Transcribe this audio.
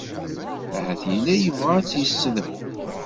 Ahat yella yebɣa ad tt-yessedhu.